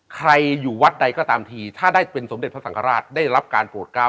ใครอยู่วัดใดก็ตามทีถ้าได้เป็นสมเด็จพระสังฆราชได้รับการโปรดก้าว